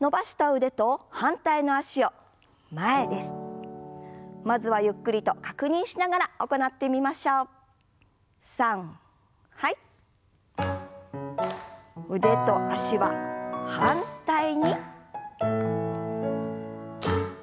腕と脚は反対に。